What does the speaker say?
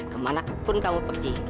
kemana pun kamu pergi